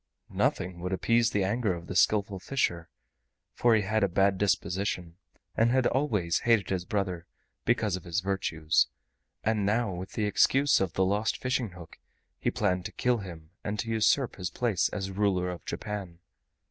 Nothing would appease the anger of the Skillful Fisher, for he had a bad disposition, and had always hated his brother because of his virtues, and now with the excuse of the lost fishing hook he planned to kill him and to usurp his place as ruler of Japan.